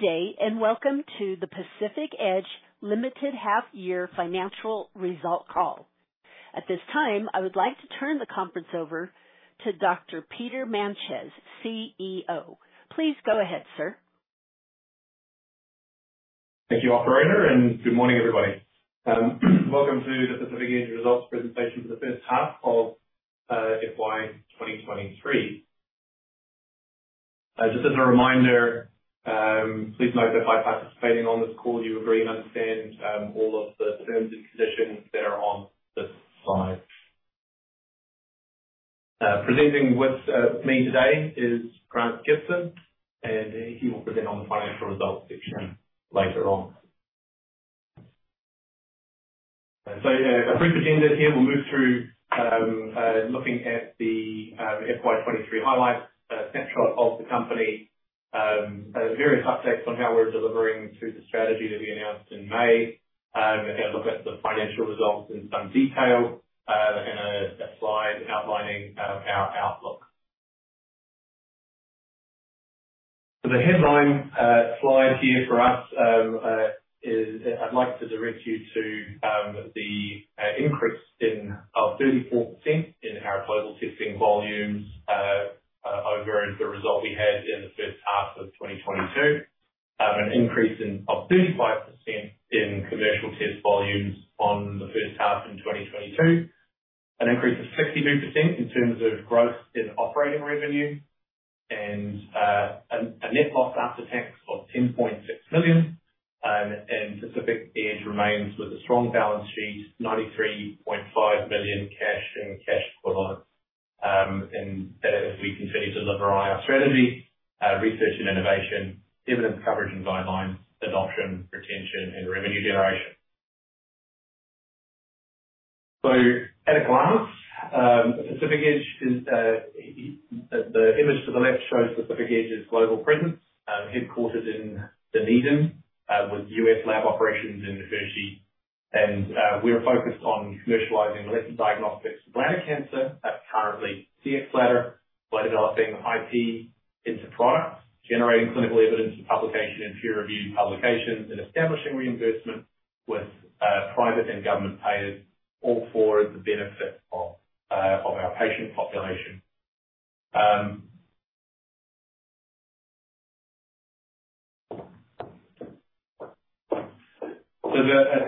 Good day, welcome to the Pacific Edge Limited Half Year Financial Result Call. At this time, I would like to turn the conference over to Dr. Peter Meintjes, CEO. Please go ahead, sir. Thank you, Operator, good morning, everybody. Welcome to the Pacific Edge Results Presentation for the H1 of FY 2023. Just as a reminder, please note that by participating on this call, you agree and understand all of the terms and conditions that are on this slide. Presenting with me today is Grant Gibson, and he will present on the financial results section later on. Yeah, a brief agenda here. We'll move through looking at the FY 2023 highlights, snapshot of the company, various updates on how we're delivering through the strategy that we announced in May, and then look at the financial results in some detail, and a slide outlining our outlook. The headline slide here for us is... I'd like to direct you to the increase of 34% in our total testing volumes over the result we had in the first half of 2022. An increase of 35% in commercial test volumes on the first half in 2022. An increase of 62% in terms of growth in operating revenue and a net loss after tax of 10.6 million. Pacific Edge remains with a strong balance sheet, 93.5 million cash and cash equivalent. As we continue to deliver on our strategy, research and innovation, evidence, coverage and guidelines, adoption, retention and revenue generation. At a glance, Pacific Edge is the image to the left shows Pacific Edge's global presence, headquartered in Dunedin, with U.S. lab operations in Hershey. We are focused on commercializing molecular diagnostics for bladder cancer as currently Cxbladder by developing IP into products, generating clinical evidence for publication in peer-reviewed publications, and establishing reimbursement with private and government payers, all for the benefit of our patient population.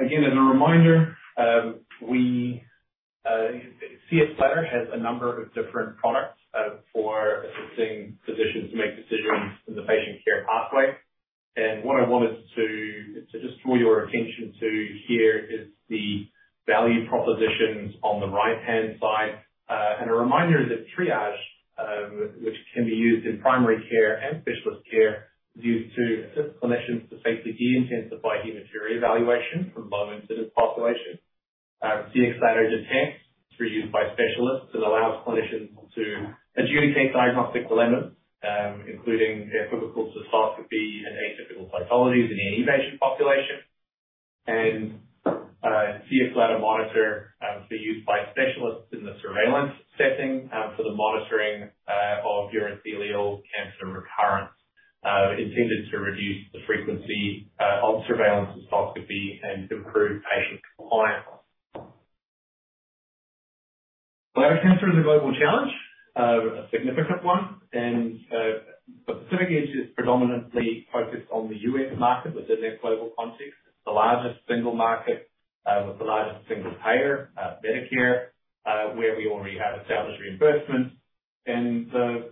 Again, as a reminder, we, Cxbladder has a number of different products for assisting physicians to make decisions in the patient care pathway. What I wanted to just draw your attention to here is the value propositions on the right-hand side. A reminder that Triage, which can be used in primary care and specialist care, is used to assist clinicians to safely de-intensify urinary evaluation for low-incidence population. Cxbladder Detect is for use by specialists. It allows clinicians to adjudicate diagnostic dilemmas, including equivocal cystoscopy and atypical pathologies in any patient population. Cxbladder Monitor, for use by specialists in the surveillance setting, for the monitoring of urothelial cancer recurrence, intended to reduce the frequency of surveillance cystoscopy and to improve patient compliance. Bladder cancer is a global challenge, a significant one. Pacific Edge is predominantly focused on the U.S. market within that global context. The largest single market, with the largest single payer, Medicare, where we already have established reimbursement. The,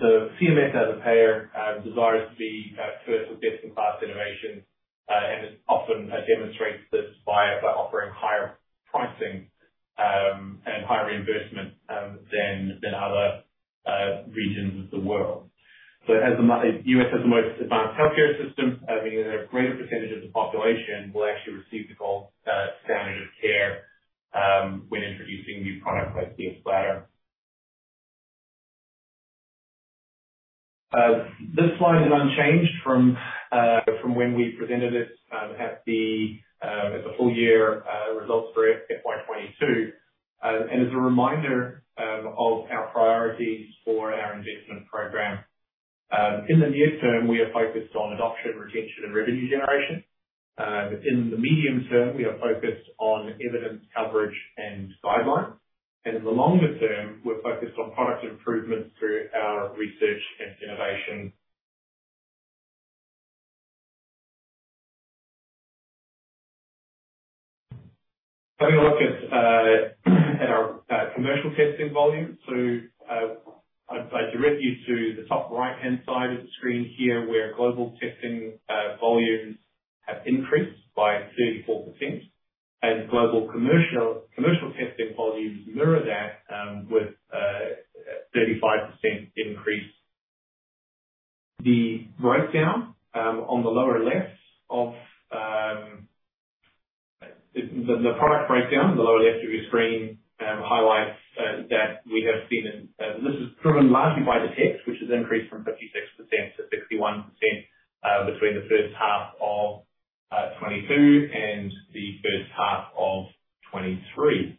the CMS as a payer, desires to be first with best-in-class innovation, and it often demonstrates this by offering higher pricing and higher reimbursement than other regions of the world. It has the most... U.S. has the most advanced healthcare system, meaning that a greater percentage of the population will actually receive the gold standard of care, when introducing new products like Cxbladder. This slide is unchanged from when we presented it at the full year results for FY 2022. As a reminder of our priorities for our investment program. In the near term, we are focused on adoption, retention and revenue generation. In the medium term, we are focused on evidence coverage and guidelines. In the longer term, we're focused on product improvements through our research and innovation. Having a look at our commercial testing volumes. I'd like to direct you to the top right-hand side of the screen here, where global testing volumes have increased by 34%. Global commercial testing volumes mirror that, with a 35% increase. The breakdown on the lower left of the product breakdown on the lower left of your screen highlights that we have seen. This is driven largely by Detect, which has increased from 56% to 61% between the first half of 2022 and the first half of 2023.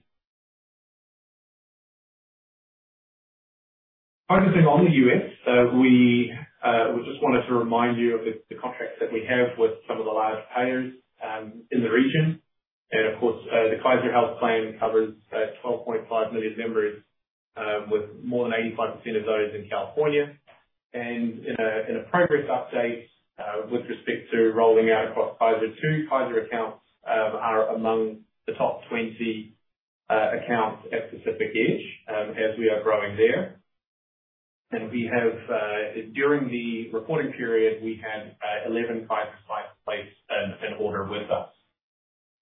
Focusing on the U.S. We just wanted to remind you of the contracts that we have with some of the largest payers in the region. Of course, the Kaiser Health Plan covers 12.5 million members with more than 85% of those in California. In a progress update, with respect to rolling out across Kaiser, 2 Kaiser accounts are among the top 20 accounts at Pacific Edge, as we are growing there. We have, during the reporting period, we had 11 Kaiser sites place an order with us.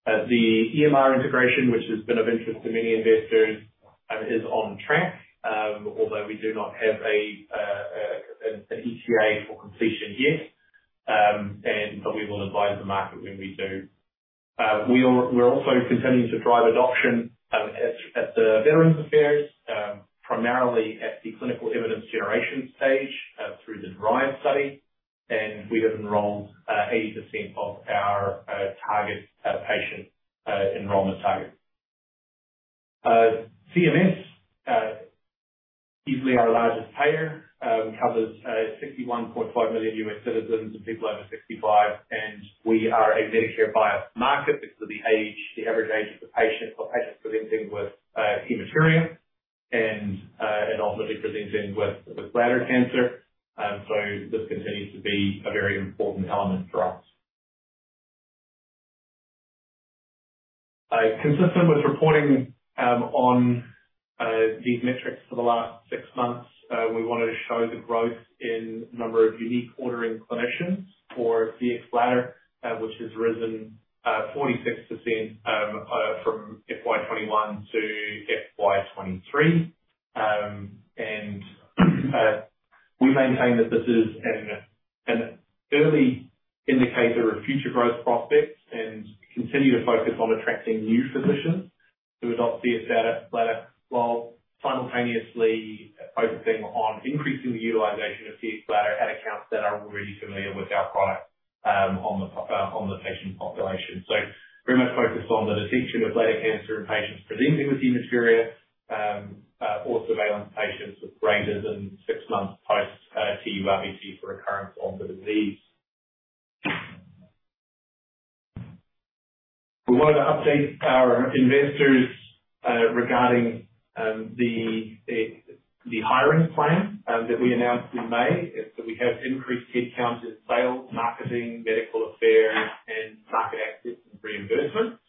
The EMR integration, which has been of interest to many investors, is on track, although we do not have an ETA for completion yet. We will advise the market when we do. We're also continuing to drive adoption at the Veterans Affairs, primarily at the clinical evidence generation stage, through the DRIVE study. We have enrolled 80% of our target patient enrollment target. CMS easily our largest payer, covers $61.5 million U.S. citizens and people over 65, and we are a Medicare buyer market because of the age, the average age of the patient for patients presenting with hematuria and ultimately presenting with bladder cancer. This continues to be a very important element for us. Consistent with reporting on these metrics for the last six months, we wanted to show the growth in number of unique ordering clinicians for Cxbladder, which has risen 46% from FY 2021 to FY 2023. We maintain that this is an early indicator of future growth prospects and continue to focus on attracting new physicians to adopt Cxbladder while simultaneously focusing on increasing the utilization of Cxbladder at accounts that are already familiar with our product on the patient population. Very much focused on the detection of bladder cancer in patients presenting with hematuria or surveillance patients with grades and six months post TURBT for recurrence of the disease. We wanted to update our investors regarding the hiring plan that we announced in May. We have increased headcounts in sales, marketing, medical affairs and market access and reimbursement.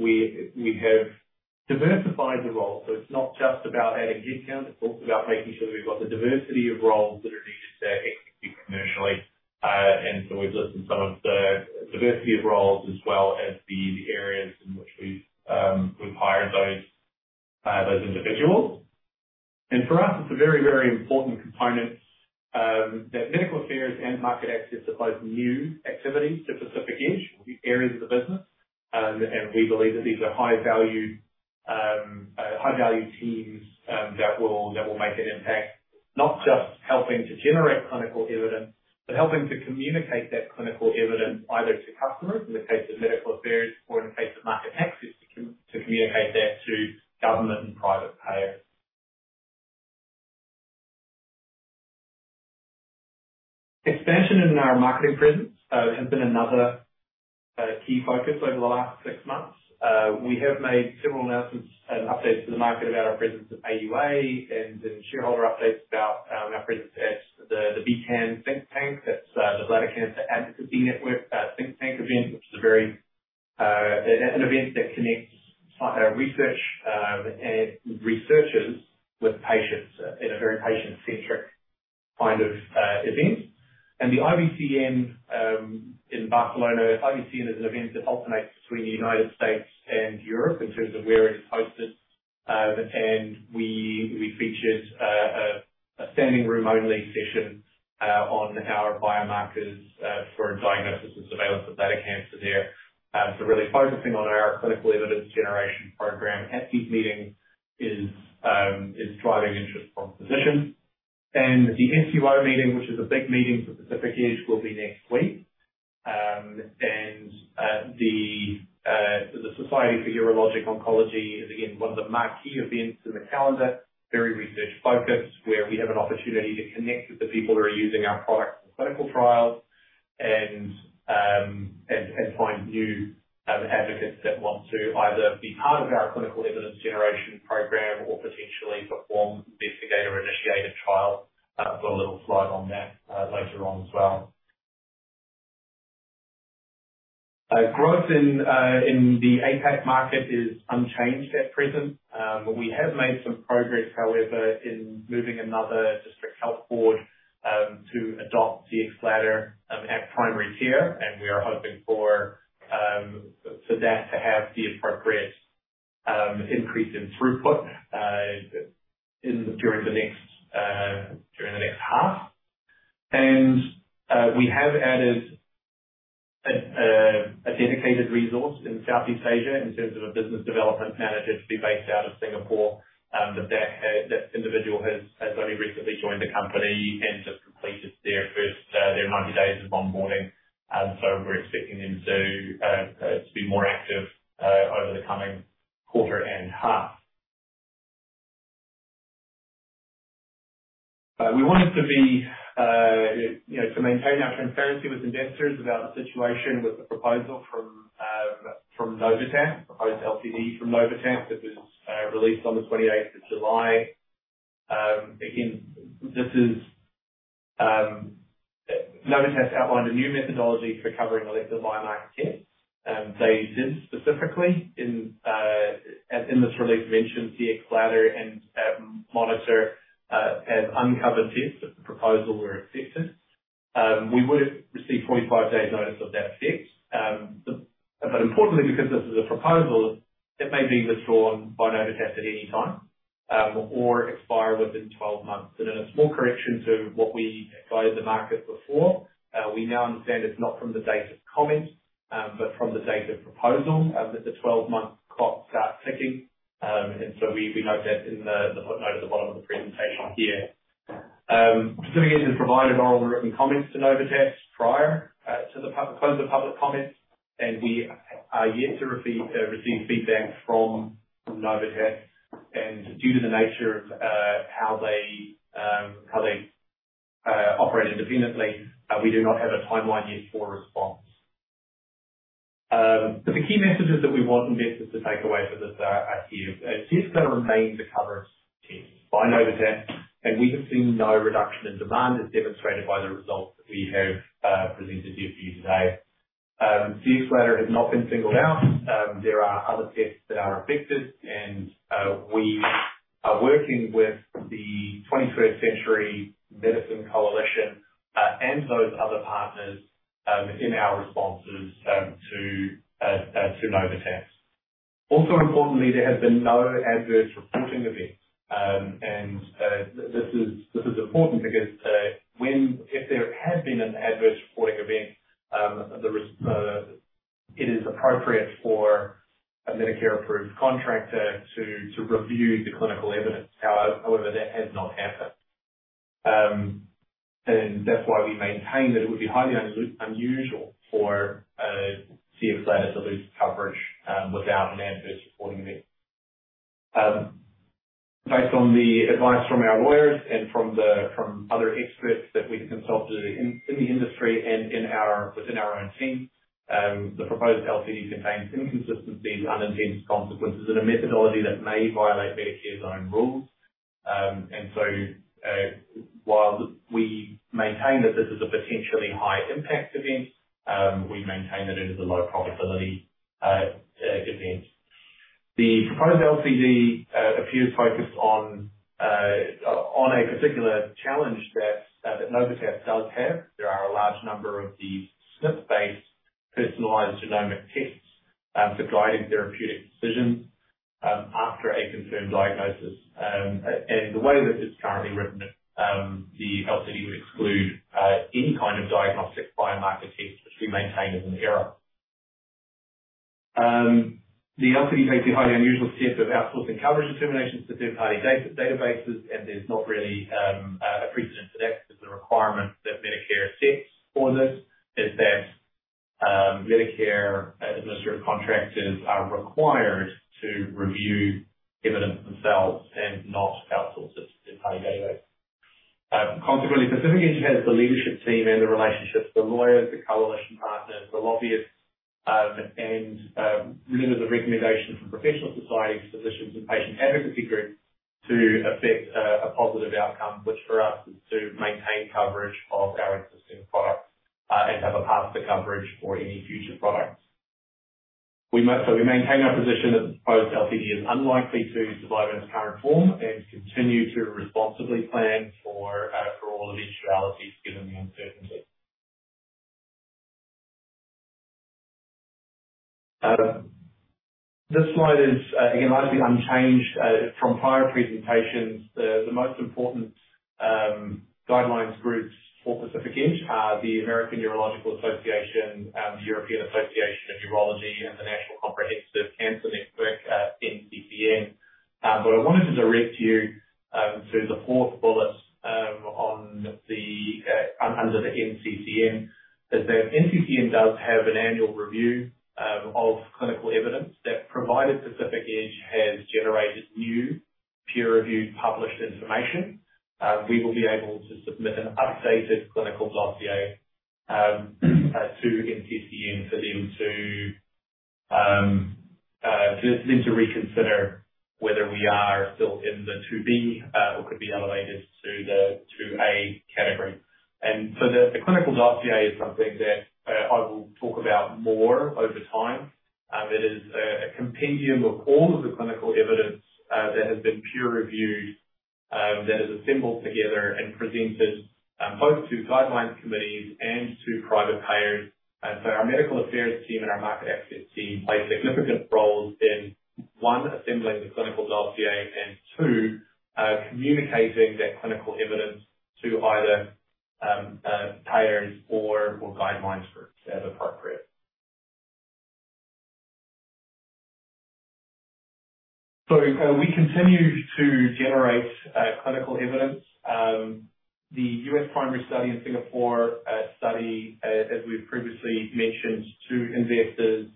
We have diversified the role. It's not just about adding headcount, it's also about making sure we've got the diversity of roles that are needed to execute commercially. We've listed some of the diversity of roles as well as the areas in which we've hired those individuals. For us, it's a very, very important component that medical affairs and market access are both new activities to Pacific Edge, new areas of the business. We believe that these are high value, high value teams that will, that will make an impact, not just helping to generate clinical evidence, but helping to communicate that clinical evidence either to customers in the case of medical affairs or in the case of market access, to communicate that to government and private payers. Expansion in our marketing presence has been another key focus over the last six months. We have made several announcements and updates to the market about our presence at AUA and shareholder updates about our presence at the BCAN think tank. That's the Bladder Cancer Advocacy Network think tank event, which is a very. An event that connects research and researchers with patients in a very patient-centric kind of event. The IBCN in Barcelona. IBCN is an event that alternates between the United States and Europe in terms of where it is hosted. We featured a standing room only session on our biomarkers for diagnosis and surveillance of bladder cancer there. So really focusing on our clinical evidence generation program at these meetings is driving interest from physicians. The SUO meeting, which is a big meeting for Pacific Edge, will be next week. The Society for Urologic Oncology is again one of the marquee events in the calendar, very research-focused, where we have an opportunity to connect with the people who are using our products in clinical trials and find new advocates that want to either be part of our clinical evidence generation program or potentially perform investigator-initiated trials. I've got a little slide on that later on as well. Growth in the APAC market is unchanged at present. We have made some progress, however, in moving another District Health Board to adopt Cxbladder at primary care, and we are hoping for that to have the appropriate increase in throughput during the next during the next half. We have added a dedicated resource in Southeast Asia in terms of a business development manager to be based out of Singapore. That individual has only recently joined the company and just completed their first their 90 days of onboarding. We're expecting them to be more active over the coming quarter and half. We wanted to be, you know, to maintain our transparency with investors about the situation with the proposal from Novitas, proposed LCD from Novitas that was released on the 28th of July. Again, this is Novitas outlined a new methodology for covering elective biomarker tests. They did specifically in as in this release mentioned, Cxbladder and Monitor as uncovered tests if the proposal were accepted. We would've received 45 days notice of that effect. Importantly, because this is a proposal that may be withdrawn by Novitas at any time, or expire within 12 months. A small correction to what we advised the market before, we now understand it's not from the date of comment, but from the date of proposal, that the 12-month clock starts ticking. We note that in the footnote at the bottom of the presentation here. Pacific Edge has provided our written comments to Novitas prior to the close of public comments, and we are yet to receive feedback from Novitas. Due to the nature of how they operate independently, we do not have a timeline yet for a response. The key messages that we want investors to take away for this update is tests are going to remain the coverage tests by Novitas, and we have seen no reduction in demand as demonstrated by the results that we have presented here for you today. Cxbladder has not been singled out. There are other tests that are affected and we are working with the 21st Century Medicine Coalition and those other partners in our responses to Novitas. Importantly, there have been no adverse reporting events. And this is important because if there had been an adverse reporting event, it is appropriate for a Medicare-approved contractor to review the clinical evidence. However, that has not happened. That's why we maintain that it would be highly unusual for Cxbladder to lose coverage without an adverse reporting event. Based on the advice from our lawyers and from other experts that we've consulted in the industry and within our own team, the proposed LCD contains inconsistencies, unintended consequences, and a methodology that may violate Medicare's own rules. While we maintain that this is a potentially high impact event, we maintain that it is a low probability event. The proposed LCD appears focused on a particular challenge that Novitas does have. There are a large number of these SNP-based personalized genomic tests for guiding therapeutic decisions after a confirmed diagnosis. The way that it's currently written, the LCD would exclude any kind of diagnostic biomarker tests, which we maintain is an error. The LCD takes a highly unusual step of outsourcing coverage determinations to third-party databases, and there's not really a precedent for that. There's a requirement that Medicare sets for this, is that Medicare administrative contractors are required to review evidence themselves and not outsource it to third-party databases. Consequently, Pacific Edge has the leadership team and the relationships, the lawyers, the coalition partners, the lobbyists, and remembers the recommendations from professional societies, physicians, and patient advocacy groups to affect a positive outcome, which for us is to maintain coverage of our existing product and have a path to coverage for any future products. We maintain our position that the proposed LCD is unlikely to survive in its current form and continue to responsibly plan for all eventualities given the uncertainty. This slide is again, largely unchanged from prior presentations. The most important guidelines groups for Pacific Edge are the American Urological Association, the European Association of Urology, and the National Comprehensive Cancer Network, NCCN. I wanted to direct you to the fourth bullet under the NCCN, is that NCCN does have an annual review of clinical evidence that, provided Pacific Edge has generated new peer-reviewed published information, we will be able to submit an updated clinical dossier to NCCN for them to reconsider whether we are still in the 2B or could be elevated to the 2A category. The clinical dossier is something that I will talk about more over time. It is a compendium of all of the clinical evidence that has been peer reviewed that is assembled together and presented both to guidelines committees and to private payers. Our medical affairs team and our market access team play significant roles in, one, assembling the clinical dossier, and two, communicating that clinical evidence to either, payers or guidelines groups as appropriate. We continue to generate clinical evidence. The U.S. primary study and Singapore study, as we've previously mentioned to investors,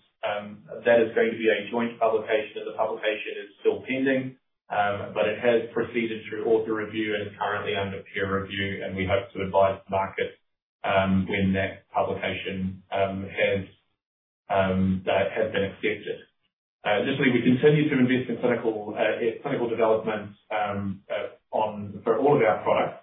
that is going to be a joint publication, and the publication is still pending. It has proceeded through author review and is currently under peer review, and we hope to advise the market when that publication has been accepted. This way we continue to invest in clinical clinical development for all of our products.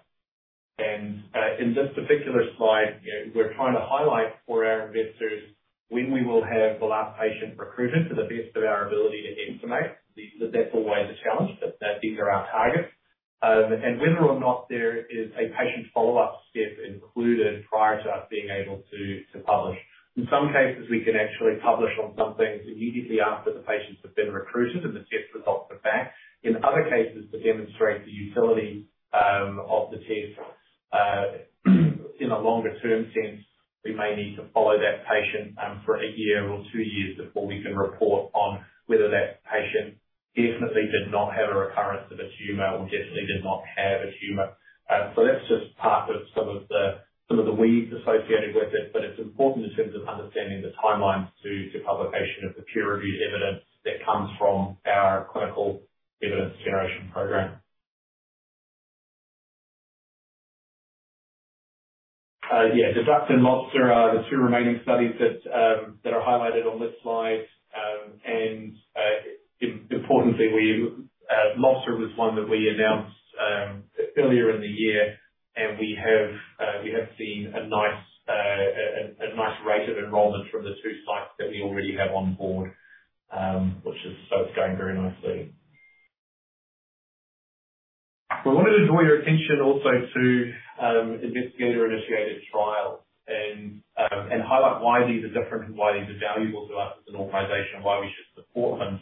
In this particular slide, you know, we're trying to highlight for our investors when we will have the last patient recruited to the best of our ability to estimate. That's always a challenge, but these are our targets. Whether or not there is a patient follow-up step included prior to us being able to publish. In some cases, we can actually publish on some things immediately after the patients have been recruited and the test results are back. In other cases, to demonstrate the utility, in a longer term sense, we may need to follow that patient, for a year or two years before we can report on whether that patient definitely did not have a recurrence of a tumor or definitely did not have a tumor. That's just part of some of the weeds associated with it, but it's important in terms of understanding the timelines to publication of the peer-reviewed evidence that comes from our clinical evidence generation program. DUCT and MONSTER are the two remaining studies that are highlighted on this slide. Importantly, we MONSTER was one that we announced earlier in the year, we have seen a nice rate of enrollment from the two sites that we already have on board. It's going very nicely. We wanted to draw your attention also to investigator-initiated trials and highlight why these are different and why these are valuable to us as an organization and why we should support them.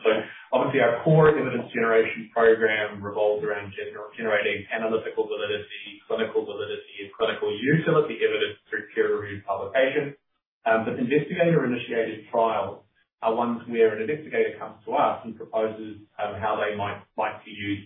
obviously our core evidence generation program revolves around generating analytical validity, clinical validity, and clinical utility evidence through peer-reviewed publication. Investigator-initiated trials are ones where an investigator comes to us and proposes how they might use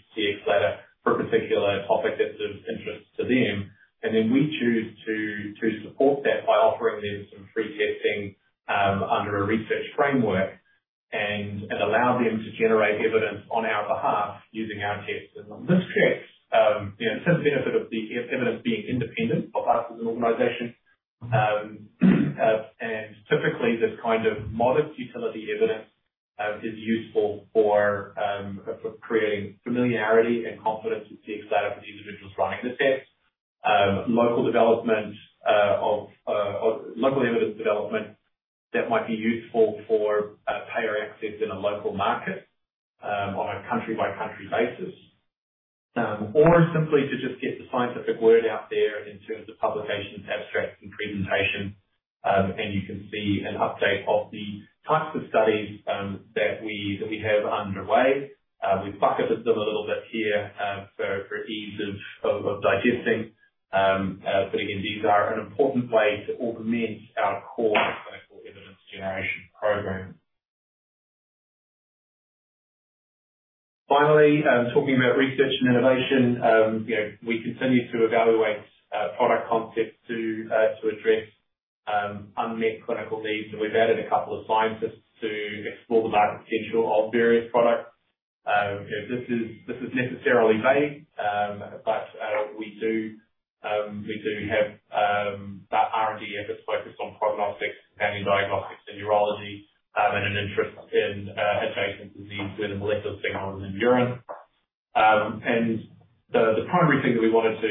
explore the market potential of various products. You know, this is necessarily vague. We do have that R&D effort focused on prognostics and diagnostics in urology, and an interest in head and neck disease with molecular signaling in urine. The primary thing that we wanted to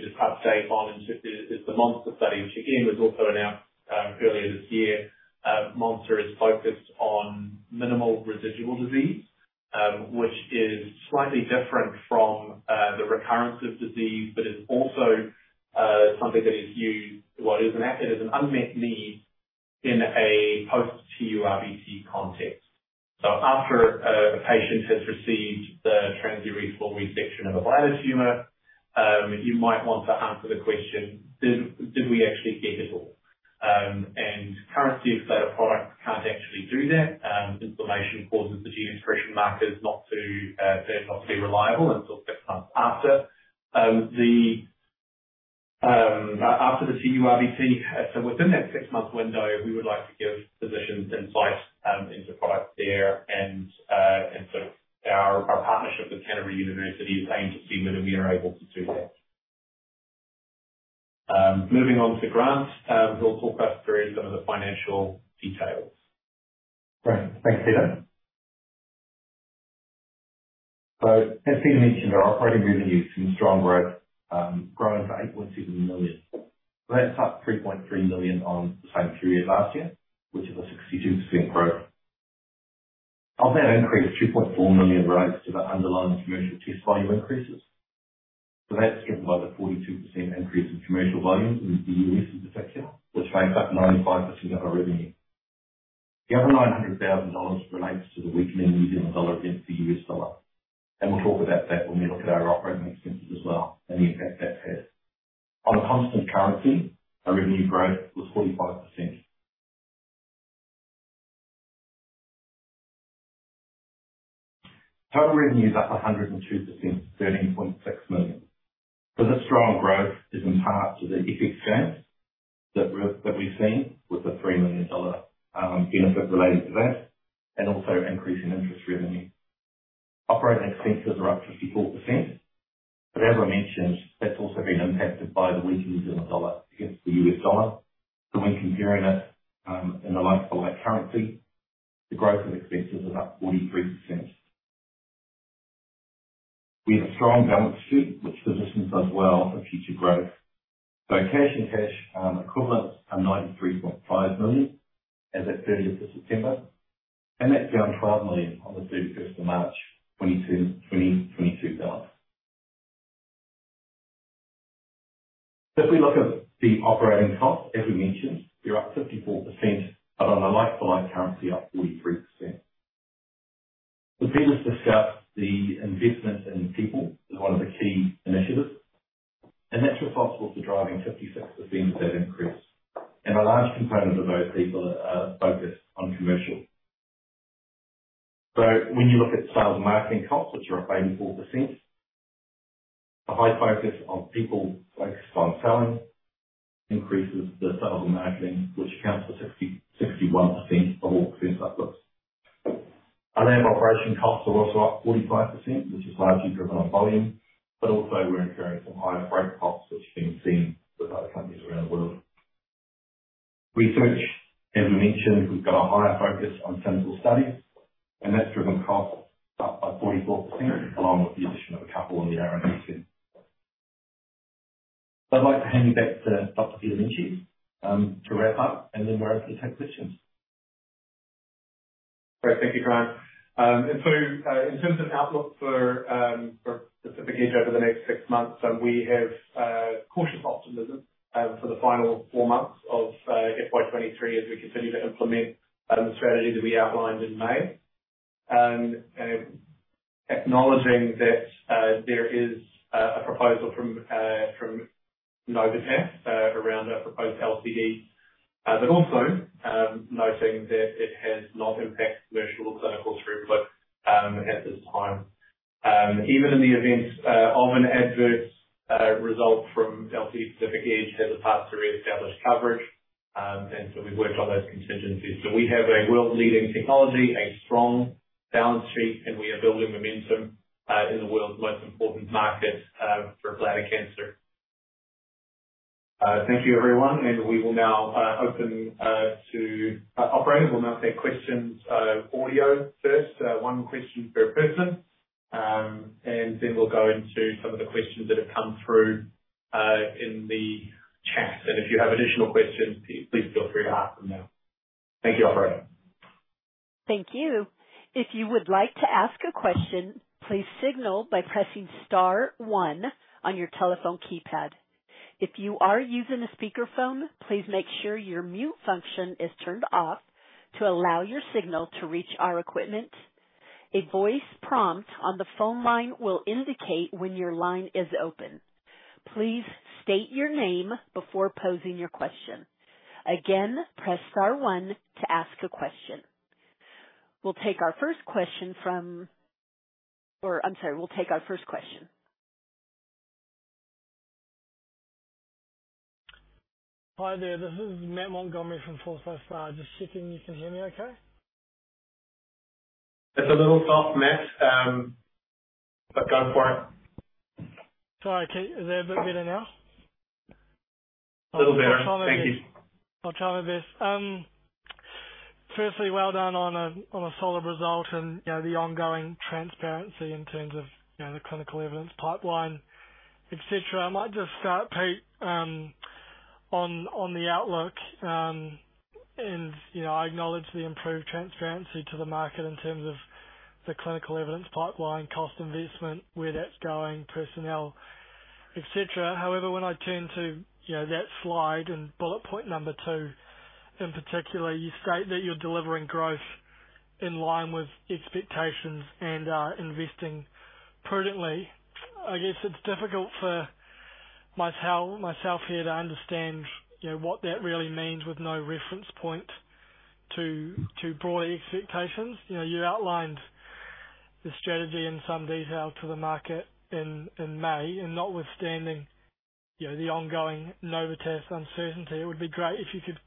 just update on is the MONSTER study, which again, was also announced earlier this year. MONSTER is focused on minimal residual disease, which is slightly different from the recurrence of disease. It's also something that is used. Well, it was an unmet need in a post-TURBT context. After a patient has received the transurethral resection of a bladder tumor, you might want to answer the question, did we actually get it all? Currently a set of products can't actually do that. Inflammation causes the gene expression markers not to be reliable until 6 months after the TURBT. Within that 6-month window, we would like to give physicians insight into products there and so our partnership with University of Canterbury is aimed to see whether we are able to do that. Moving on to Grant, who'll talk us through some of the financial details. Great. Thanks, Peter. As Peter mentioned, our operating revenue has seen strong growth, growing to 8.7 million. That's up 3.3 million on the same period last year, which is a 62% growth. Of that increase, 2.4 million relates to the underlying commercial test volume increases. That's driven by the 42% increase in commercial volumes in the U.S. this fiscal, which makes up 95% of our revenue. The other $900,000 relates to the weakening New Zealand dollar against the U.S. dollar, and we'll talk about that when we look at our operating expenses as well and the impact that's had. On a constant currency, our revenue growth was 45%. Total revenue is up 102% to 13.6 million. The strong growth is in part to the EPIC grant that we've seen with the 3 million dollar benefit related to that, and also increase in interest revenue. Operating expenses are up 54%, but as I mentioned, that's also been impacted by the weakening New Zealand dollar against the U.S. dollar. When comparing it in a like-for-like currency, the growth of expenses is up 43%. We have a strong balance sheet which positions us well for future growth. Cash and cash equivalents are 93.5 million as at 30th of September, and that's down 12 million on the 31st of March 2022 dollars. If we look at the operating costs, as we mentioned, they're up 54%, but on a like-for-like currency, up 43%. Peter's discussed the investment in people as one of the key initiatives, and that's responsible for driving 56% of that increase. A large component of those people are focused on commercial. When you look at sales and marketing costs, which are up 84%, a high focus on people focused on selling increases the sales and marketing, which accounts for 60-61% of all expense outputs. Our labor operation costs are also up 45%, which is largely driven on volume, but also we're incurring some higher freight costs, which have been seen with other companies around the world. Research, as we mentioned, we've got a higher focus on central studies, and that's driven costs up by 44%, along with the addition of a couple of new. Great. Thank you, Grant. In terms of outlook for Pacific Edge over the next six months, we have cautious optimism for the final four months of FY 2023 as we continue to implement the strategy that we outlined in May. Acknowledging that there is a proposal from Novitas around our proposed LCD, but also noting that it has not impacted commercial or clinical throughput at this time. Even in the event of an adverse result from LCD, Pacific Edge has a path to reestablish coverage, we've worked on those contingencies. We have a world-leading technology, a strong balance sheet, and we are building momentum in the world's most important markets for bladder cancer. Thank you everyone. We will now open to operators. We'll now take questions, audio first, one question per person, and then we'll go into some of the questions that have come through in the chat. If you have additional questions, please feel free to ask them now. Thank you, operator. Thank you. If you would like to ask a question, please signal by pressing star one on your telephone keypad. If you are using a speakerphone, please make sure your mute function is turned off to allow your signal to reach our equipment. A voice prompt on the phone line will indicate when your line is open. Please state your name before posing your question. Again, press star one to ask a question. We'll take our first question. I'm sorry, we'll take our first question. Hi there. This is Matt Montgomerie from Forsyth Barr. Just checking you can hear me okay. It's a little soft, Matt, go for it. Sorry. Is that a bit better now? Little better. Thank you. I'll try my best. Firstly, well done on a solid result and, you know, the ongoing transparency in terms of, you know, the clinical evidence pipeline, etc. I might just start, Pete, on the outlook. You know, I acknowledge the improved transparency to the market in terms of the clinical evidence pipeline, cost investment, where that's going, personnel, etc. However, when I turn to, you know, that slide and bullet point number 2, in particular, you state that you're delivering growth in line with expectations and investing prudently. I guess it's difficult for myself here to understand, you know, what that really means with no reference point to broader expectations. You know, you outlined the strategy in some detail to the market in May. Notwithstanding, you know, the ongoing Novitas uncertainty, it would be great if you could,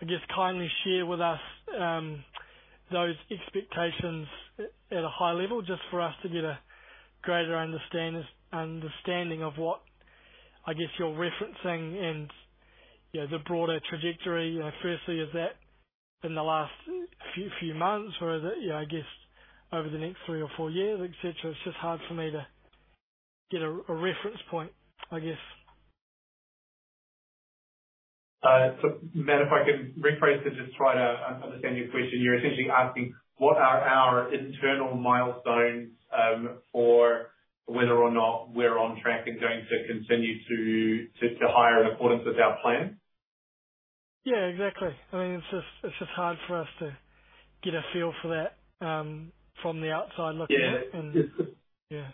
I guess, kindly share with us those expectations at a high level, just for us to get a greater understanding of what, I guess, you're referencing and, you know, the broader trajectory. You know, firstly, is that in the last few months or is it, you know, I guess over the next three or four years, etc? It's just hard for me to get a reference point, I guess. Matt, if I can rephrase to just try to understand your question. You're essentially asking what are our internal milestones for whether or not we're on track and going to continue to hire in accordance with our plan? Yeah, exactly. I mean, it's just hard for us to get a feel for that from the outside looking in. Yeah.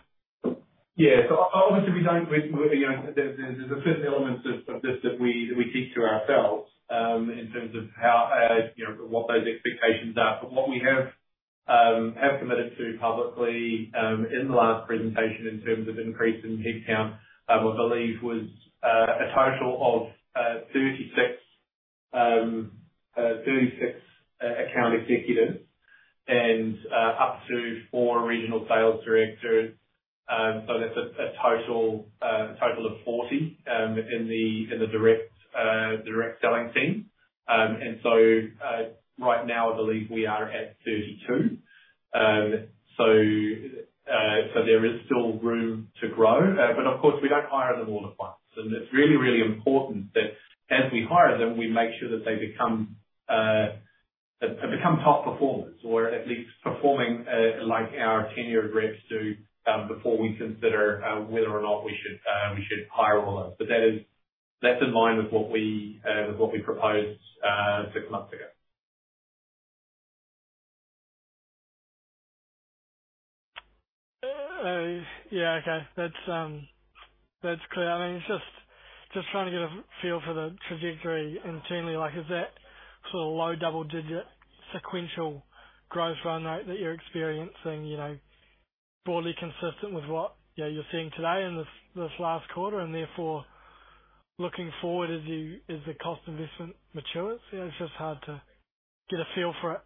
Yeah. Obviously we don't, you know. There's certain elements of this that we keep to ourselves, in terms of how, you know, what those expectations are. What we have committed to publicly, in the last presentation in terms of increase in headcount, I believe was a total of 36 account executives and up to four regional sales directors. That's a total of 40 in the direct selling team. Right now, I believe we are at 32. So there is still room to grow. Of course, we don't hire them all at once. It's really, really important that as we hire them, we make sure that they become top performers or at least performing like our tenured reps do, before we consider whether or not we should hire all of them. That is. That's in line with what we, with what we proposed, six months ago. Yeah. Okay. That's clear. I mean, it's just trying to get a feel for the trajectory internally. Like, is that sort of low double-digit sequential growth run rate that you're experiencing, you know, broadly consistent with what, you know, you're seeing today in this last quarter and therefore looking forward as the cost investment matures? You know, it's just hard to get a feel for it.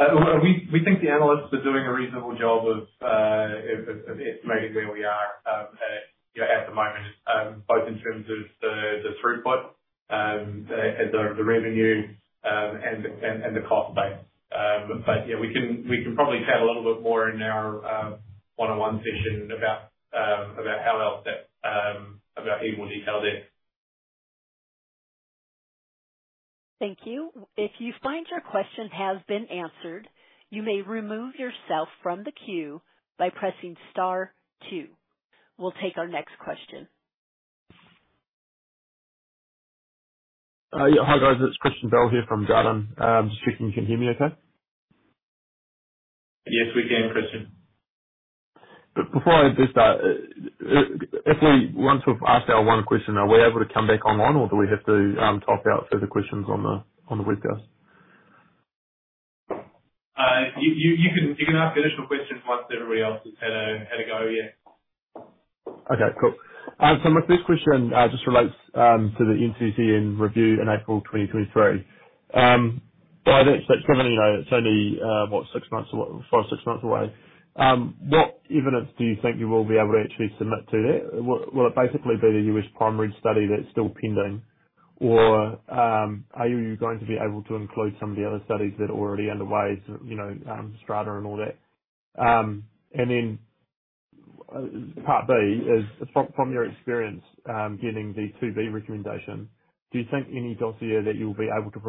Well, we think the analysts are doing a reasonable job of estimating where we are, you know, at the moment, both in terms of the throughput, the revenue, and the cost base. Yeah, we can probably chat a little bit more in our one-on-one session about how else that equal detail there. Thank you. If you find your question has been answered, you may remove yourself from the queue by pressing star two. We'll take our next question. Yeah. Hi, guys. It's Christian Bell here from Jarden. Just checking you can hear me okay. Yes, we can, Christian. Before I just start, Once we've asked our 1 question, are we able to come back online, or do we have to type out further questions on the webcast? You can ask additional questions once everybody else has had a go, yeah. Okay, cool. My first question just relates to the NCCN review in April 2023. By that stage, Kevin, you know, it's only what, six months away, four or six months away. What evidence do you think you will be able to actually submit to that? Will it basically be the U.S. primary study that's still pending, or are you going to be able to include some of the other studies that are already underway, so, you know, STRATA and all that? Part B is from your experience, getting the 2B recommendation, do you think any dossier that you'll be able to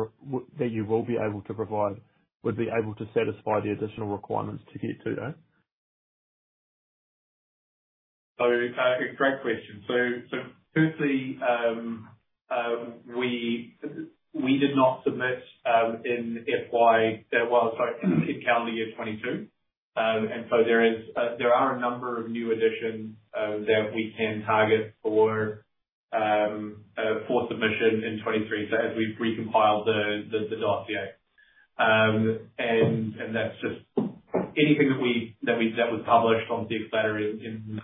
provide would be able to satisfy the additional requirements to get to A? A great question. Firstly, we did not submit in FY, well, sorry, in Calendar Year 2022. There is a number of new additions that we can target for submission in 2023. As we've recompiled the dossier. That's just anything that we that was published on the letter in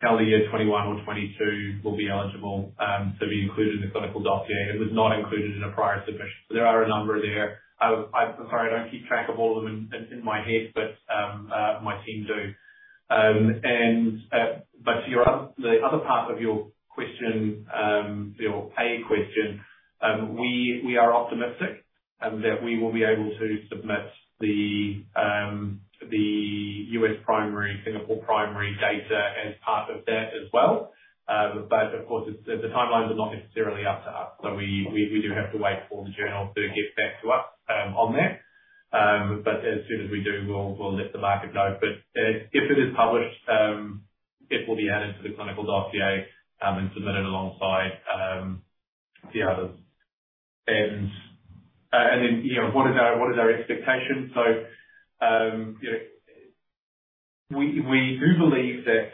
Calendar Year 2021 or 2022 will be eligible to be included in the clinical dossier and was not included in a prior submission. There are a number there. I'm sorry I don't keep track of all of them in my head, but my team do. But to your other, the other part of your question, your pay question, we are optimistic that we will be able to submit the U.S. primary, Singapore Primary Data as part of that as well. Of course, the timelines are not necessarily up to us. We do have to wait for the journal to get back to us on that. As soon as we do, we'll let the market know. If it is published, it will be added to the clinical dossier and submitted alongside the others. Then, you know, what is our expectation? You know, we do believe that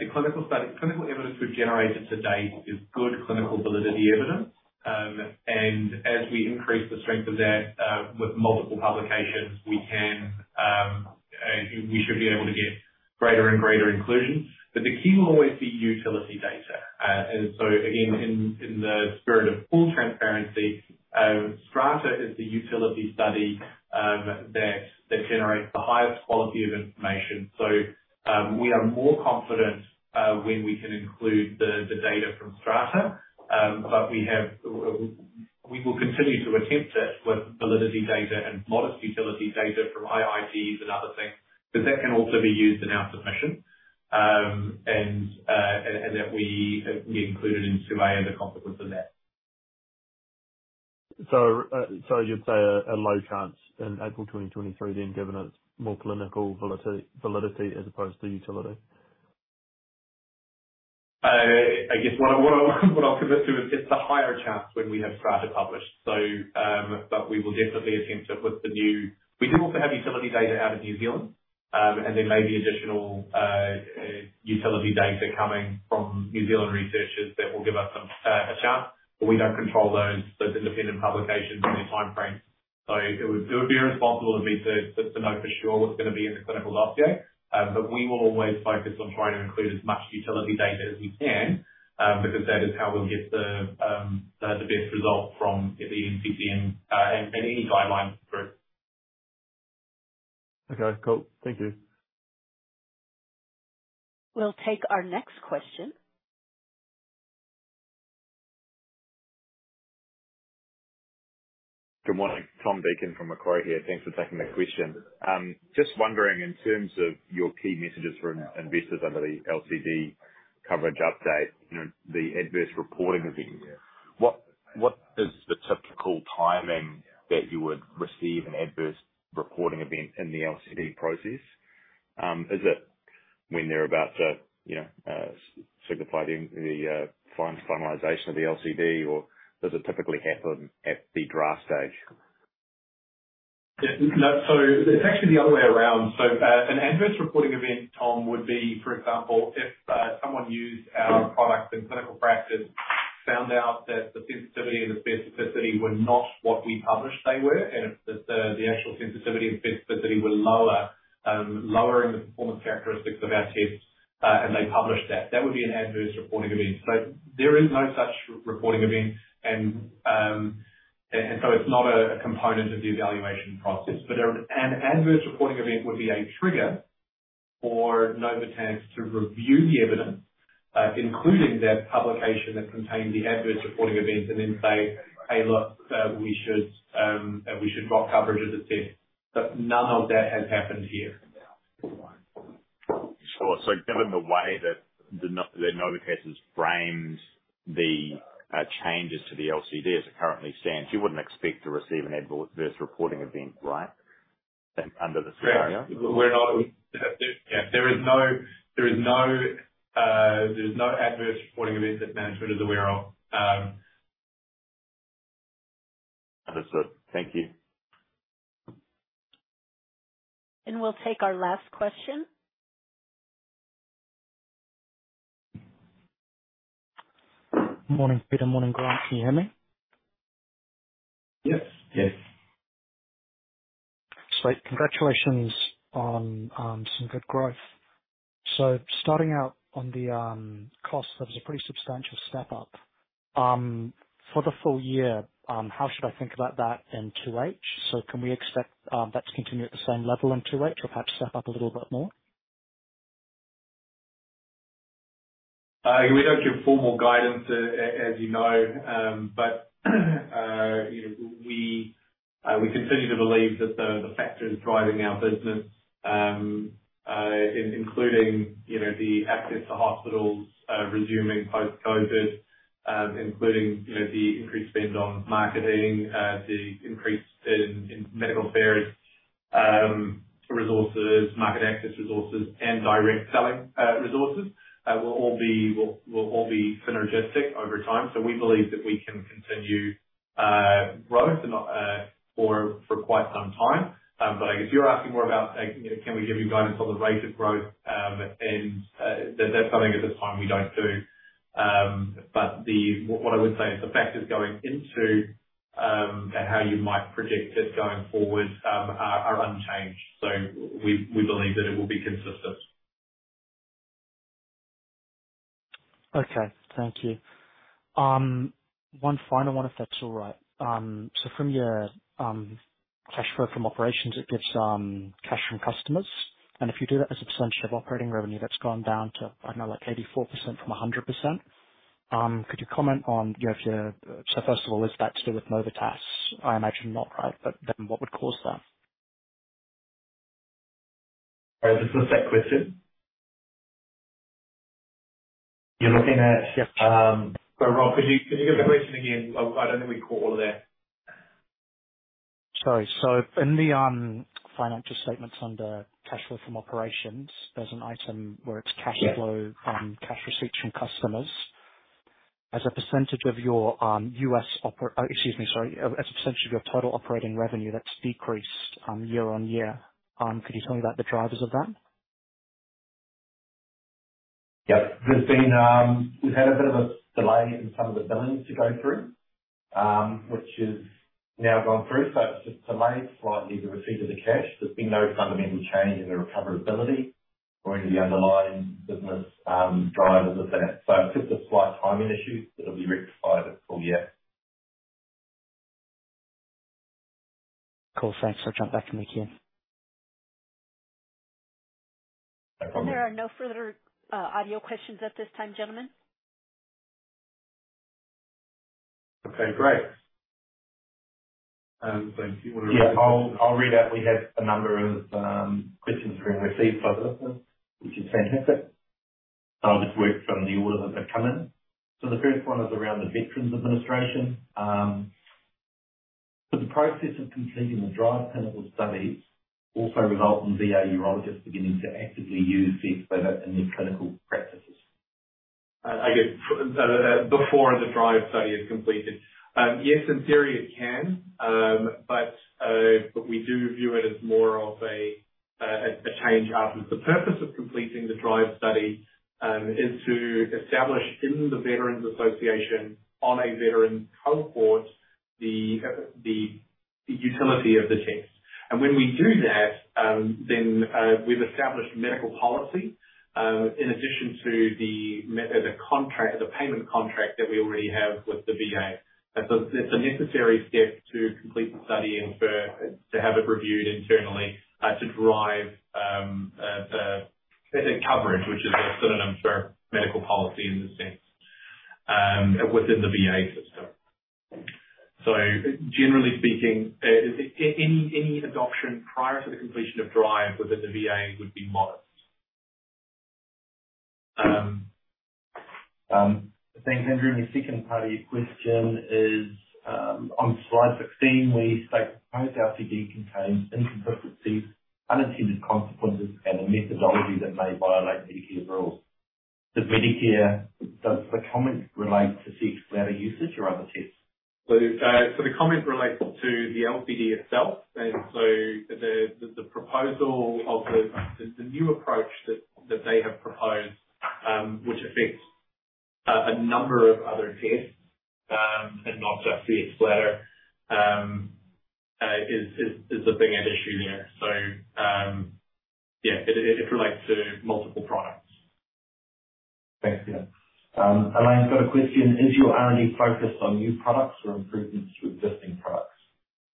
the clinical study, clinical evidence we've generated to date is good clinical validity evidence. As we increase the strength of that, with multiple publications, we can, we should be able to get greater and greater inclusion. The key will always be utility data. Again, in the spirit of full transparency, STRATA is the utility study, that generates the highest quality of information. We are more confident, when we can include the data from STRATA. We have, we will continue to attempt it with validity data and modest utility data from IITs and other things, because that can also be used in our submission. And that we can be included in Group 2A as a consequence of that. You'd say a low chance in April 2023 then, given it's more clinical validity as opposed to utility? I guess what I'll commit to is it's a higher chance when we have STRATA published. We will definitely attempt it. We do also have utility data out of New Zealand, and there may be additional utility data coming from New Zealand researchers that will give us some a chance, but we don't control those independent publications and their timeframes. It would be irresponsible of me to know for sure what's gonna be in the clinical dossier. We will always focus on trying to include as much utility data as we can, because that is how we'll get the best result from the TCM and any guideline for it. Okay, cool. Thank you. We'll take our next question. Good morning. Tom Deacon from Macquarie here. Thanks for taking the question. Just wondering, in terms of your key messages for investors under the LCD coverage update, you know, the adverse reporting event, what is the typical timing that you would receive an adverse reporting event in the LCD process? Is it when they're about to, you know, signify the finalization of the LCD, or does it typically happen at the draft stage? Yeah. No. It's actually the other way around. An adverse reporting event, Tom, would be, for example, if someone used our product in clinical practice, found out that the sensitivity and the specificity were not what we published they were, and if the actual sensitivity and specificity were lower, lowering the performance characteristics of our tests, and they published that. That would be an adverse reporting event. There is no such reporting event and so it's not a component of the evaluation process. An adverse reporting event would be a trigger for Novitas to review the evidence, including that publication that contained the adverse reporting event, and then say, "Hey, look, we should drop coverage as a test." None of that has happened here. Sure. Given the way that the Novitas has framed the changes to the LCD as it currently stands, you wouldn't expect to receive an adverse reporting event, right? Under the scenario. Yeah. There is no adverse reporting event that management is aware of. Understood. Thank you. We'll take our last question. Morning, Peter. Morning, Grant. Can you hear me? Yes. Yes. Sweet. Congratulations on, some good growth. Starting out on the cost, that was a pretty substantial step up. For the full year, how should I think about that in 2H? Can we expect that to continue at the same level in 2H or perhaps step up a little bit more? We don't give formal guidance as you know. You know, we continue to believe that the factors driving our business, including, you know, the access to hospitals, resuming post-COVID, including, you know, the increased spend on marketing, the increased spend in medical affairs, resources, market access resources, and direct selling resources, will all be synergistic over time. We believe that we can continue growth and not for quite some time. If you're asking more about, you know, can we give you guidance on the rate of growth? That's something at the time we don't do. What I would say is the factors going into how you might predict it going forward are unchanged. We believe that it will be consistent. Okay. Thank you. One final one, if that's all right. From your cash flow from operations, it gives cash from customers, and if you do that as a percentage of operating revenue, that's gone down to, I don't know, like 84% from 100%. Could you comment on, first of all, is that to do with Novitas? I imagine not, right? What would cause that? All right. Is this a set question? You're looking at- Yeah. Well, Rob, could you, could you give the question again? I don't think we caught all of that. Sorry. In the financial statements under cash flow from operations, there's an item where it's. Yeah. -flow from cash receipts from customers. As a percentage of your, excuse me, sorry. As a percentage of your total operating revenue, that's decreased year on year. Could you tell me about the drivers of that? Yeah. There's been, we've had a bit of a delay in some of the billings to go through, which has now gone through. It's just delayed slightly the receipt of the cash. There's been no fundamental change in the recoverability or any of the underlying business drivers of that. It's just a slight timing issue that'll be rectified at full year. Cool. Thanks. I'll chuck that to Nick here. No problem. There are no further audio questions at this time, gentlemen. Okay, great. Thank you. Yeah. I'll read out. We have a number of questions been received by the business, which is fantastic. I'll just work from the order that they've come in. The first one is around the Veterans Administration. Could the process of completing the DRIVE clinical studies also result in VA urologists beginning to actively use Cysview in their clinical practices? I guess, before the DRIVE study is completed. Yes, in theory it can. We do view it as more of a change after. The purpose of completing the DRIVE study is to establish in the Veterans Association on a veteran cohort, the utility of the test. When we do that, then we've established medical policy, in addition to the contract, the payment contract that we already have with the VA. It's a necessary step to complete the study and for, to have it reviewed internally, to drive the coverage, which is a synonym for medical policy in this sense, within the VA system. Generally speaking, any adoption prior to the completion of DRIVE within the VA would be modest. Thanks, Andrew. The second part of your question is on slide 16, we state proposed LCD contains inconsistencies, unintended consequences, and a methodology that may violate Medicare rules. Does the comment relate to Cxbladder usage or other tests? The comment relates to the LCD itself. The proposal of the new approach that they have proposed, which affects a number of other tests, and not just Cxbladder, is the thing at issue there. It relates to multiple products. Thanks. Yeah. Alain's got a question: Is your R&D focused on new products or improvements to existing products?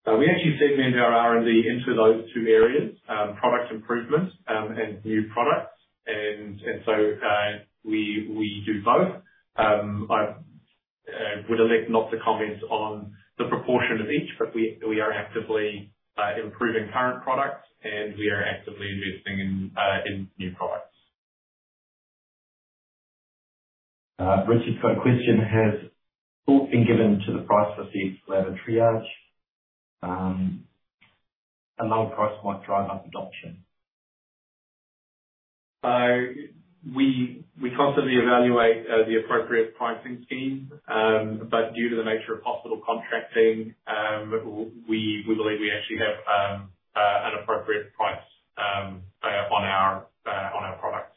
We actually segment our R&D into those two areas, product improvement, and new products. We do both. I would elect not to comment on the proportion of each, but we are actively improving current products, and we are actively investing in new products. Richard's got a question. Has thought been given to the price for Cxbladder Triage, a lower price might drive up adoption? We constantly evaluate, the appropriate pricing scheme. But due to the nature of hospital contracting, we believe we actually have, an appropriate price, on our, on our products.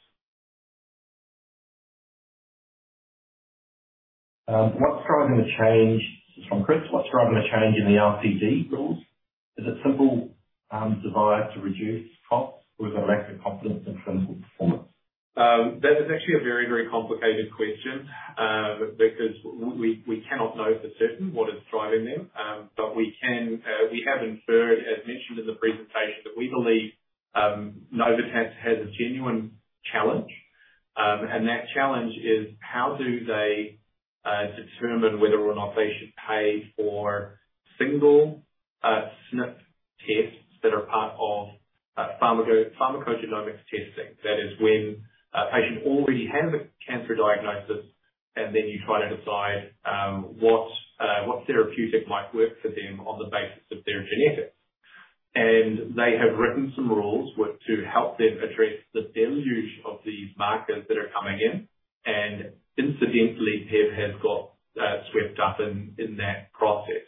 This is from Chris. What's driving the change in the LCD rules? Is it simple, desire to reduce costs or is it a lack of confidence in clinical performance? That is actually a very, very complicated question because we cannot know for certain what is driving them. We can, we have inferred, as mentioned in the presentation, that we believe Novitas has a genuine challenge. That challenge is how do they determine whether or not they should pay for single SNP tests that are part of pharmacogenomics testing. That is when a patient already has a cancer diagnosis, and then you try to decide what therapeutic might work for them on the basis of their genetics. They have written some rules to help them address the deluge of these markers that are coming in. Incidentally, PEBB has got swept up in that process.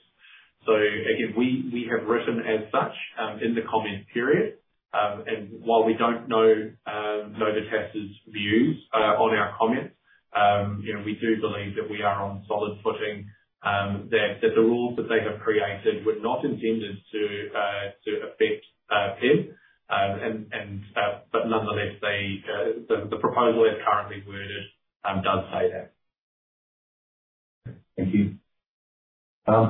Again, we have written as such in the comment period. While we don't know, Novitas' views on our comments, you know, we do believe that we are on solid footing, that the rules that they have created were not intended to affect PEBB. Nonetheless they, the proposal as currently worded, does say that. Thank you.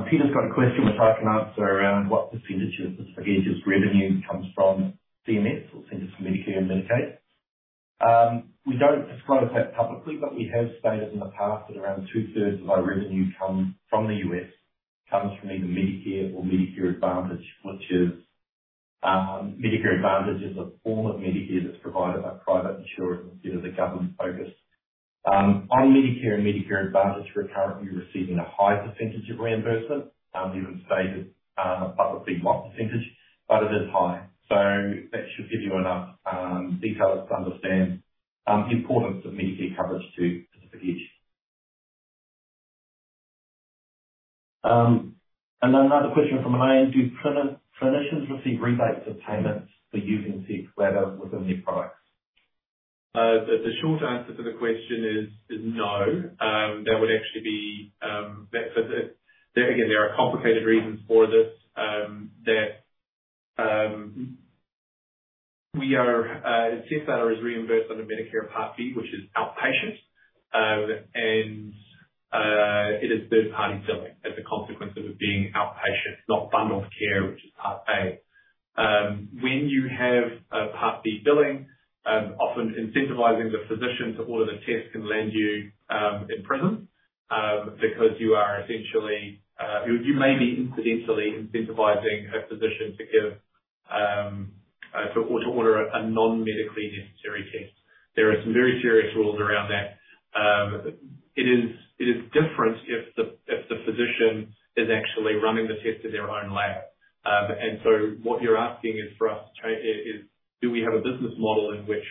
Peter's got a question, which I can answer, around what % of Pacific Edge's revenue comes from CMS or Centers for Medicare and Medicaid. We don't disclose that publicly, but we have stated in the past that around two-thirds of our revenue comes from the U.S., comes from either Medicare or Medicare Advantage, which is Medicare Advantage is a form of Medicare that's provided by private insurers instead of the government-focused. On Medicare and Medicare Advantage, we're currently receiving a high % of reimbursement. We wouldn't say the publicly what %, but it is high. That should give you enough details to understand the importance of Medicare coverage to Pacific Edge. Another question from Alain. Do clinicians receive rebates or payments for using Cxbladder within their products? The short answer to the question is no. That would actually be. Again, there are complicated reasons for this, that we are, Cxbladder is reimbursed under Medicare Part B, which is outpatient. It is third-party billing as a consequence of being outpatient, not bundled care, which is Part A. When you have Part B billing, often incentivizing the physician to order the test can land you in prison, because you are essentially, you may be incidentally incentivizing a physician to give, to order a non-medically necessary test. There are some very serious rules around that. It is different if the physician is actually running the test in their own lab. What you're asking is for us to change, is do we have a business model in which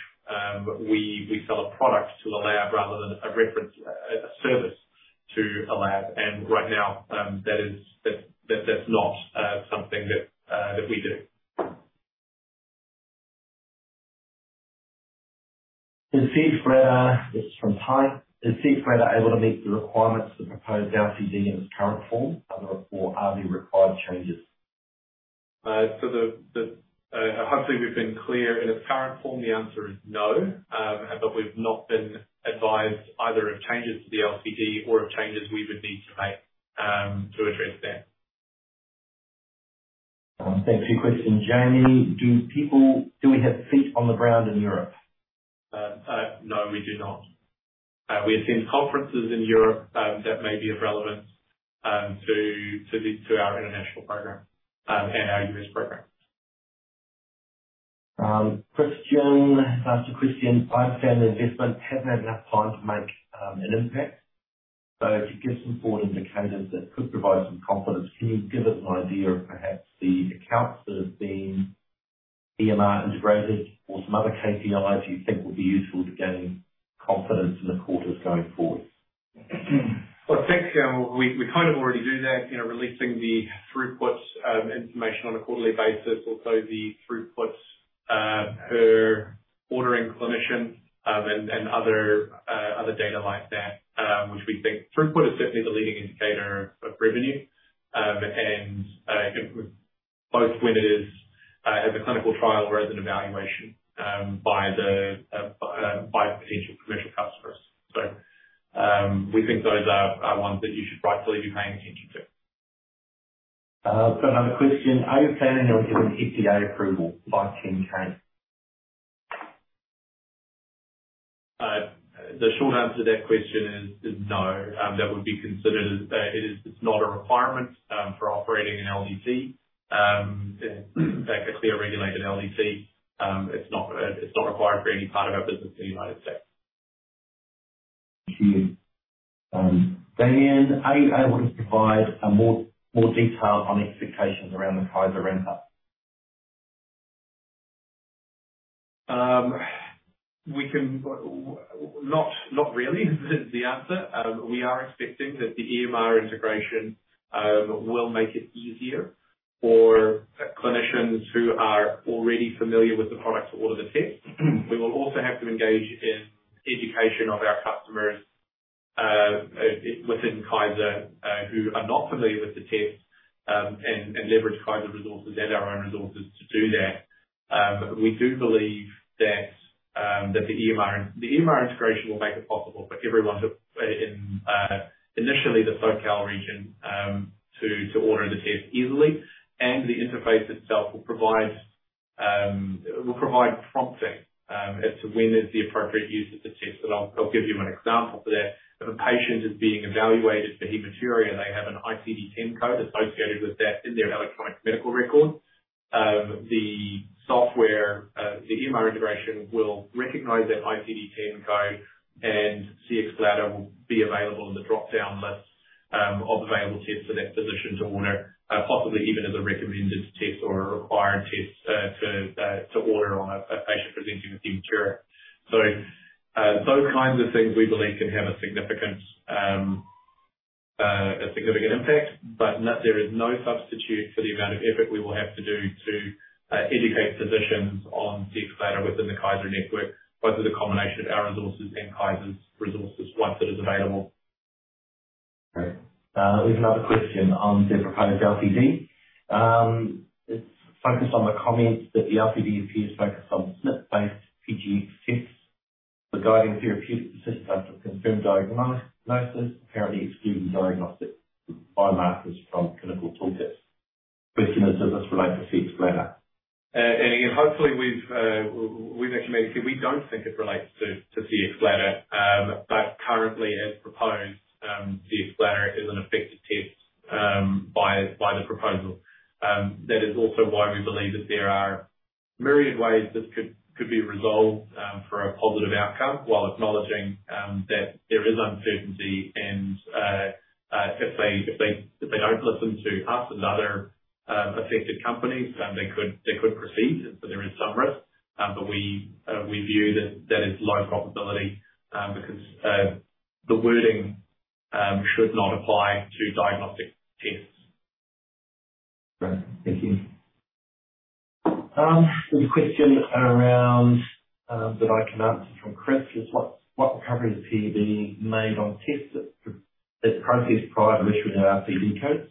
we sell a product to a lab rather than a reference, a service to a lab? Right now, that's not something that we do. This is from Ty. Is Cxbladder able to meet the requirements of the proposed LCD in its current form? Are there required changes? Hopefully we've been clear. In its current form, the answer is no. We've not been advised either of changes to the LCD or of changes we would need to make to address that. Thanks. New question, Jamie. Do we have feet on the ground in Europe? No, we do not. We attend conferences in Europe, that may be of relevance, to the, to our international program, and our U.S. program. Christian. Second question. I understand the investment hasn't had enough time to make an impact. So to give some forward indicators that could provide some confidence, can you give us an idea of perhaps the accounts that have been EMR integrated or some other KPIs you think will be useful to gain confidence in the quarters going forward? Well, thanks. We kind of already do that, you know, releasing the throughputs, information on a quarterly basis. Also the throughputs per ordering clinician, and other data like that, which we think throughput is certainly the leading indicator of revenue. Both when it is as a clinical trial or as an evaluation by potential commercial customers. We think those are ones that you should rightfully be paying attention to. I've got another question. Are you planning on getting FDA approval by team Trent? The short answer to that question is no. That would be considered as it is not a requirement for operating an LDT. In fact, a CLIA-regulated LDT, it's not, it's not required for any part of our business in the United States. Thank you. Dan, are you able to provide more details on expectations around the Kaiser ramp-up? Not really is the answer. We are expecting that the EMR integration will make it easier for clinicians who are already familiar with the product to order the test. We will also have to engage in education of our customers within Kaiser who are not familiar with the test and leverage Kaiser resources and our own resources to do that. We do believe that the EMR integration will make it possible for everyone to initially the SoCal region to order the test easily. The interface itself will provide prompting as to when is the appropriate use of the test. I'll give you an example for that. If a patient is being evaluated for hematuria, they have an ICD-10 code associated with that in their electronic medical record. The software, the EMR integration will recognize that ICD-10 code, and Cxbladder will be available in the dropdown list of available tests for that physician to order, possibly even as a recommended test or a required test to order on a patient presenting with hematuria. Those kinds of things we believe can have a significant, a significant impact. There is no substitute for the amount of effort we will have to do to educate physicians on Cxbladder within the Kaiser network, but with a combination of our resources and Kaiser's resources, once it is available. Great. We have another question on the proposed LCD. It's focused on the comments that the LCD appears focused on SNP-based PG tests for guiding therapeutic decisions based on confirmed diagnosis, apparently excluding diagnostic biomarkers from clinical toolkits. Question is, does this relate to Cxbladder? Again, hopefully we've actually made it clear. We don't think it relates to Cxbladder. Currently as proposed, Cxbladder is an affected test by the proposal. That is also why we believe that there are myriad ways this could be resolved for a positive outcome while acknowledging that there is uncertainty and if they don't listen to us and other affected companies, they could proceed. There is some risk. We view that it's low probability because the wording should not apply to diagnostic tests. Great. Thank you. There's a question around that I can answer from Chris, which is what recovery is PEB made on tests that's processed prior to issuing an LCD codes?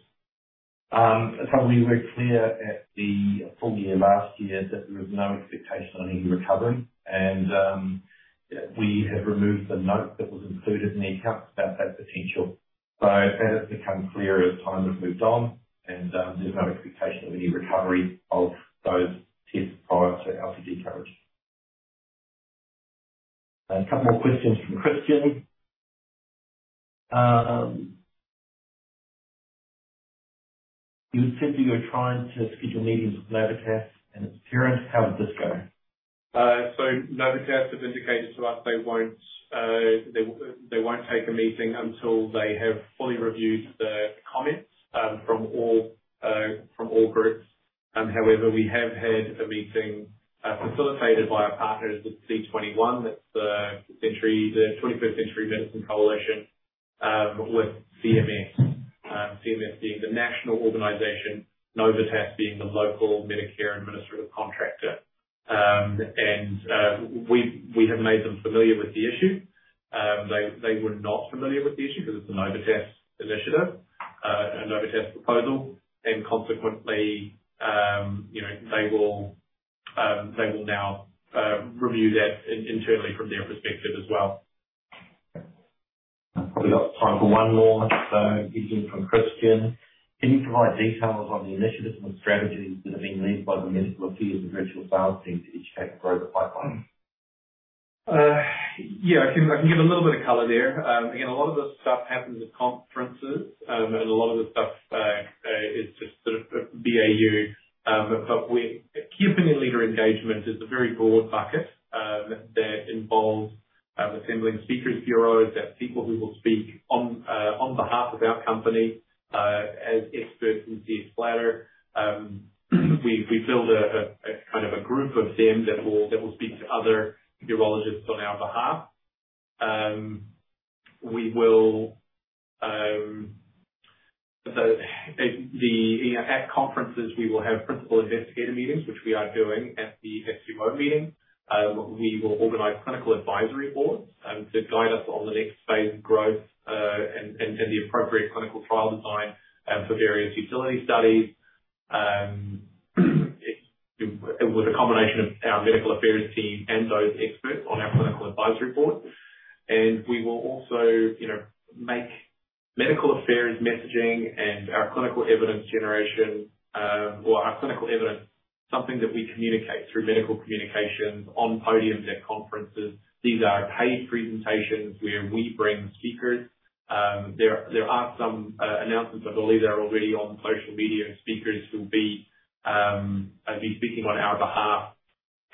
It's probably very clear at the full year last year that there is no expectation on any recovery and we have removed the note that was included in the accounts about that potential. That has become clear as time has moved on and there's no expectation of any recovery of those tests prior to LCD coverage. A couple more questions from Christian. You had said that you were trying to schedule meetings with Novitas and C21. How is this going? Novitas have indicated to us they won't take a meeting until they have fully reviewed the comments, from all groups. However, we have had a meeting, facilitated by our partners with C21. That's the 21st Century Medicine Coalition, with CMS. CMS being the national organization, Novitas being the local Medicare administrative contractor. We have made them familiar with the issue. They, they were not familiar with the issue because it's a Novitas initiative, a Novitas proposal. Consequently, you know, they will, they will now, review that internally from their perspective as well. I've probably got time for one more. This is in from Christian. Can you provide details on the initiatives and strategies that are being led by the medical affairs and virtual sales team to educate and grow the pipeline? Yeah, I can give a little bit of color there. Again, a lot of this stuff happens at conferences, a lot of the stuff is just sort of BAU. Key opinion leader engagement is a very broad bucket that involves assembling speakers bureaus. That's people who will speak on behalf of our company as experts in Cxbladder. We build a kind of a group of them that will speak to other urologists on our behalf. We will, you know, at conferences we will have principal investigator meetings, which we are doing at the SUO meeting. We will organize clinical advisory boards to guide us on the next phase of growth, and the appropriate clinical trial design for various utility studies. It was a combination of our medical affairs team and those experts on our clinical advisory board. We will also, you know, make medical affairs messaging and our clinical evidence generation or our clinical evidence, something that we communicate through medical communications on podiums at conferences. These are paid presentations where we bring speakers. There are some announcements I believe that are already on social media, and speakers will be speaking on our behalf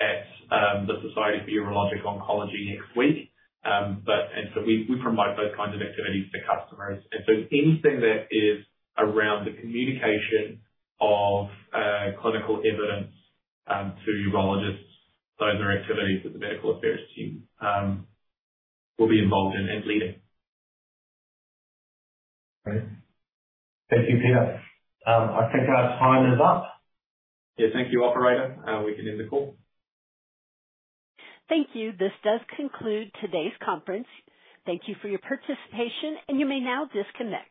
at the Society of Urologic Oncology next week. So we promote those kinds of activities to customers. Anything that is around the communication of clinical evidence to urologists, those are activities that the medical affairs team will be involved in and leading. Great. Thank you, Peter. I think our time is up. Yeah, thank you, operator. We can end the call. Thank you. This does conclude today's conference. Thank you for your participation. You may now disconnect.